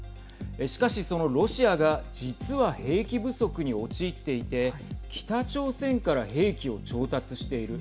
しかし、そのロシアが実は兵器不足に陥っていて北朝鮮から兵器を調達している。